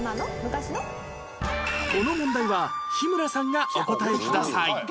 この問題は日村さんがお答えください